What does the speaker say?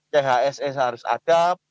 chsi seharusnya ada